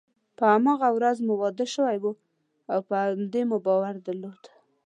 په هماغه ورځ مو واده شوی او په دې مو باور درلود.